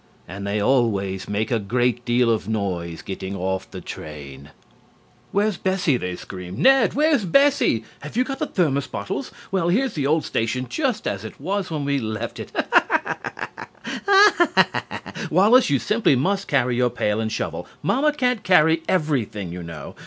And they always make a great deal of noise getting off the train. "Where's Bessie?" they scream, "Ned, where's Bessie?... Have you got the thermos bottles?... Well, here's the old station just as it was when we left it (hysterical laughter).... Wallace, you simply must carry your pail and shovel. Mamma can't carry everything, you know....